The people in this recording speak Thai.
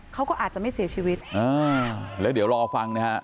เขาก็อาจจะไม่เสียชีวิตอ่าแล้วเดี๋ยวรอฟังนะฮะ